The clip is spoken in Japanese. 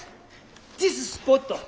ディススポット！